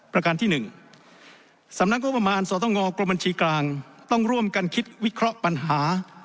ประการที่๑สำนักงบประมาณสตงกรมบัญชีกลางต้องร่วมกันคิดวิเคราะห์ปัญหา